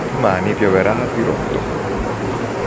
Domani pioverà a dirotto.